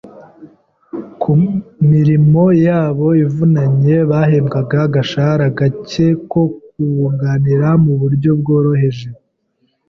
Ku mirimo yabo ivunanye bahembwaga agashahara gake ko kubunganira mu buryo bworoheje.